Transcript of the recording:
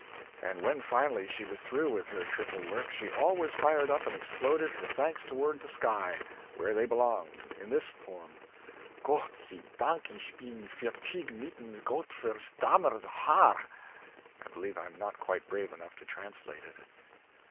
And when finally she was through with her triple job she always fired up and exploded her thanks toward the sky, where they belonged, in this form: "Gott sei Dank ich bin fertig mit'm Gott verdammtes Haar!" (I believe I am not quite brave enough to translate it.)